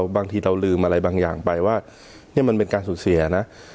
บางทีเราลืมอะไรบางอย่างไปว่านี่มันเป็นการสูญเสียนะ